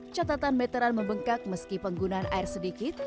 catatan meteran membengkak meski penggunaan air sedikit